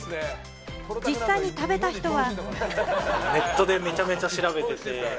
実際に食べた人は。